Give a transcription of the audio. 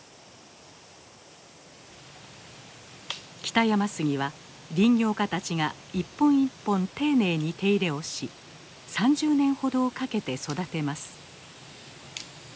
北山杉は林業家たちが一本一本丁寧に手入れをし３０年ほどをかけて育てます。